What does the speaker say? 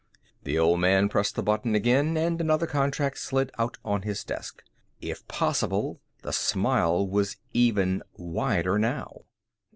The Old Man pressed the button again and another contract slid out on his desk. If possible, the smile was still wider now.